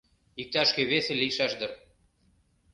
Иктаж-кӧ весе лийшаш дыр.